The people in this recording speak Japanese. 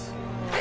え？